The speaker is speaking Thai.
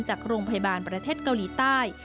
จากโรงพยาบาลประเทศเกาหลีใต้